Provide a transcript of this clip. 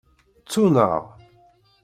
Ttun-aɣ.